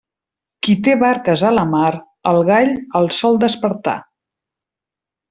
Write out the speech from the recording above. Qui té barques a la mar, el gall el sol despertar.